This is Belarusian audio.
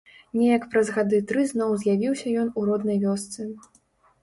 Неяк праз гады тры зноў з'явіўся ён у роднай вёсцы.